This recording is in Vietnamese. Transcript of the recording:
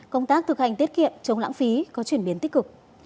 công tác thực hành tiết kiệm chống lãng phí có chuyển biến tích cực